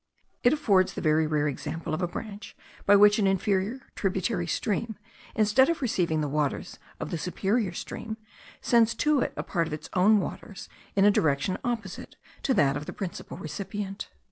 It affords the very rare example of a branch by which an inferior tributary stream, instead of receiving the waters of the superior stream, sends to it a part of its own waters in a direction opposite to that of the principal recipient.